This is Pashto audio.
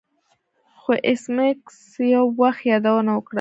خو ایس میکس یو وخت یادونه وکړه